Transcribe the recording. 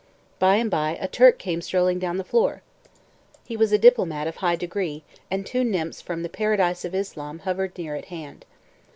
By and by a Turk came strolling down the floor; he was a diplomat of high degree, and two nymphs from the paradise of Islam hovered near at hand.